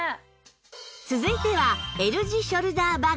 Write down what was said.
続いては Ｌ 字ショルダーバッグ